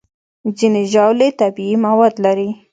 ځینې ژاولې طبیعي مواد لري.